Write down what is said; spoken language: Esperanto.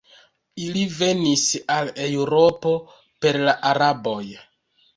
Ili venis al Eŭropo per la Araboj.